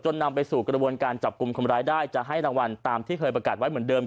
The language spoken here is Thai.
นำไปสู่กระบวนการจับกลุ่มคนร้ายได้จะให้รางวัลตามที่เคยประกาศไว้เหมือนเดิม